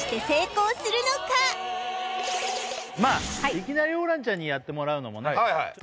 いきなりホランちゃんにやってもらうのもね